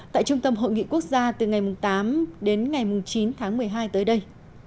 tại trung tâm hội nghị quốc gia từ ngày tám đến ngày chín tháng một mươi hai tới đây